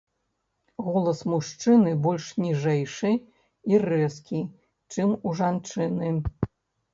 Голас мужчыны больш ніжэйшы і рэзкі, чым у жанчыны.